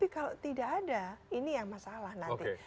kalau tidak ada ini yang masalah nanti